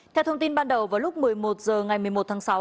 theo thông tin ban đầu vào lúc một mươi một h ngày một mươi một tháng sáu